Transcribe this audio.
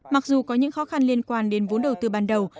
mặc dù có những khó khăn liên quan đến vốn đầu tư ban đầu